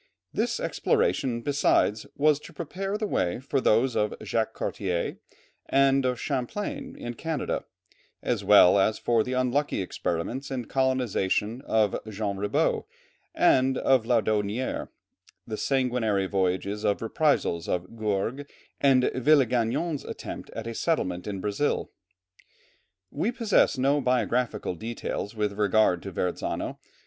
This exploration besides, was to prepare the way for those of Jacques Cartier and of Champlain in Canada, as well as for the unlucky experiments in colonization of Jean Ribaut, and of Laudonnière, the sanguinary voyage of reprisals of Gourgues, and Villegagnon's attempt at a settlement in Brazil. We possess no biographical details with regard to Verrazzano.